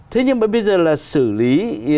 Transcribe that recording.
thế nhưng mà bây giờ là xử lý